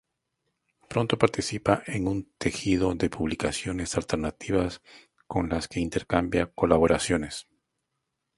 Pronto participa en un tejido de publicaciones alternativas con las que intercambia colaboraciones.